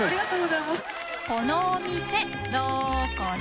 このお店どこだ？